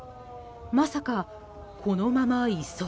まさか、このまま移送？